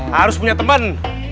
harus punya temen